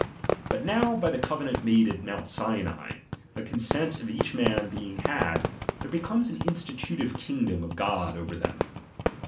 But now by the cove nant made at Mount Sinai, the consent of each man iDeing had> there becomes an institutive kingdom of God over them.